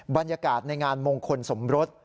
บรรยากาศในงานมงคลสมรส